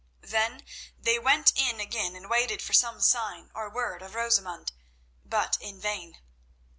Then they went in again and waited for some sign or word of Rosamund, but in vain.